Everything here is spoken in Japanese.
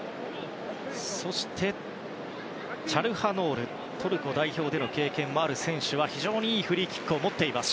そして、チャルハノールトルコ代表での経験もある選手は非常にいいフリーキックを持っています。